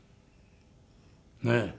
ねえ。